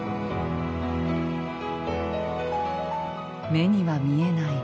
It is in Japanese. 目には見えない